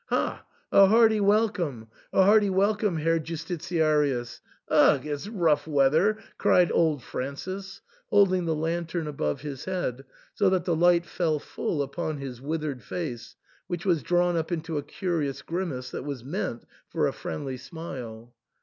" Ha ! a hearty welcome, a hearty welcome, Herr Justitiarius. Ugh ! it's rough weather !" cried old Francis, holding the lantern above his head, so that the light fell full upon his withered face, which was drawn up into a curious grimace, that was meant for a friendly smile.